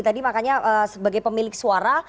tadi makanya sebagai pemilik suara